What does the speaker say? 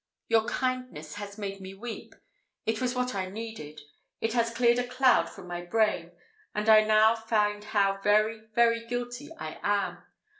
Your kindness has made me weep. It was what I needed, it has cleared a cloud from my brain, and I now find how very, very guilty I am.